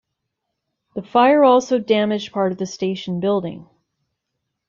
The fire also damaged part of the station building.